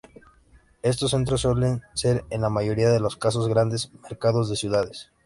Estos centros suelen ser en la mayoría de los casos grandes mercados de ciudades.